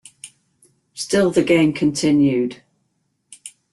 Still the game continued.